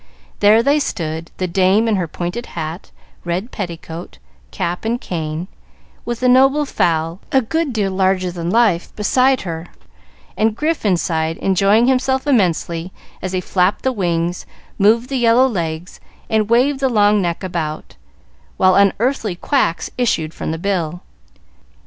There they stood, the dame in her pointed hat, red petticoat, cap, and cane, with the noble fowl, a good deal larger than life, beside her, and Grif inside, enjoying himself immensely as he flapped the wings, moved the yellow legs, and waved the long neck about, while unearthly quacks issued from the bill.